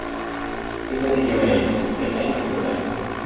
Ik ben het hier mee eens - geen enkel probleem.